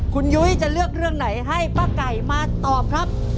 คุณยุ้ยจะเลือกเรื่องไหนให้ป้าไก่มาตอบครับ